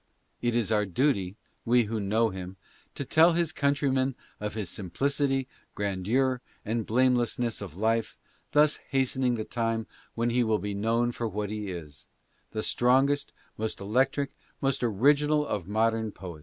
It is our duty, we who know him, to tell his countrymen of his piicit grandeur and blamelessness : f life, thus hastening the time when he will be known for what he is — the strongest, most electric, most original of modern poe